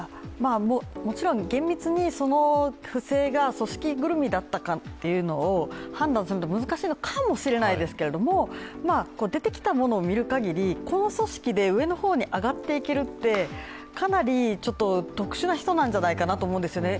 もちろん厳密にその不正が組織ぐるみだったかっていうのを判断するのは難しいのかもしれないですけれども、出てきたものを見るかぎりこの組織で上の方に上がっていけるってかなり特殊な人じゃないかなと思うんですよね。